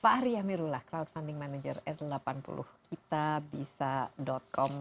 pak aryamirullah crowdfunding manager r delapan puluh kitabisa com